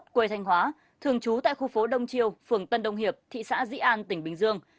quê thanh hóa thường trú tại khu phố đông triều phường tân đông hiệp thị xã dĩ an tỉnh bình dương